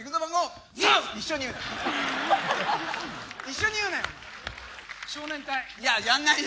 一緒に言うなよ！